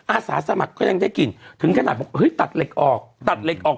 อาสาสมัครก็ยังได้กลิ่นถึงขนาดบอกเฮ้ยตัดเหล็กออกตัดเหล็กออก